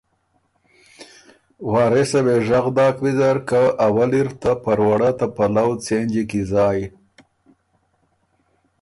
وارثه وې ژغ داک ویزرکه ”اول اِر ته پروړۀ ته پلؤ څېنجی کی زایٛ“